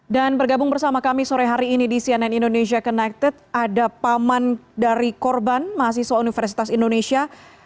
dan bergabung bersama kami sore hari ini di cnn indonesia connected ada paman dari korban mahasiswa universitas indonesia